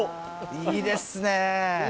いいですね。